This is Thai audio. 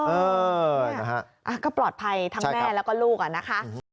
เออนะฮะก็ปลอดภัยทั้งแม่แล้วก็ลูกอะนะคะ